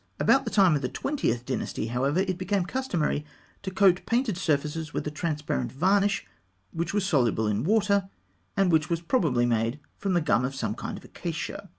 About the time of the Twentieth Dynasty, however, it became customary to coat painted surfaces with a transparent varnish which was soluble in water, and which was probably made from the gum of some kind of acacia.